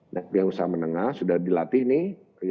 nah pihak usaha menengah sudah dilatih nih